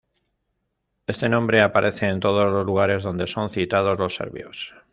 Este nombre aparece en todos los lugares donde son citados los serbios.